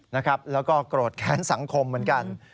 แล้วก็โกรธแค้นสังคมเหมือนกัน